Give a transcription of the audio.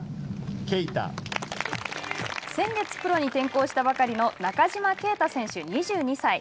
先月プロに転向したばかりの中島啓太選手、２２歳。